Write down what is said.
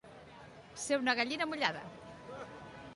Ser una gallina mullada.